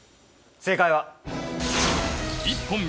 正解は。